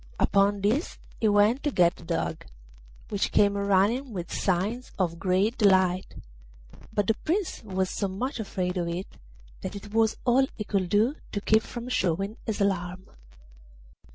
Upon this he went to get the Dog, which came running with signs of great delight; but the Prince was so much afraid of it that it was all he could do to keep from showing his alarm.